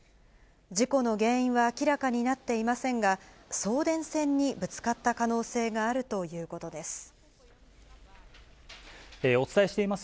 事故の原因は明らかになっていませんが、送電線にぶつかった可能性があるということです。